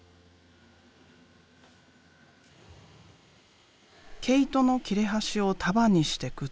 毛糸の切れ端を束にしてくっつける。